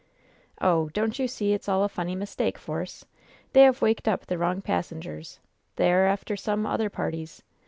"Oh, don't you see it's all a funny mistake, Force? They have waked up the wrong passengers. They are after some other parties.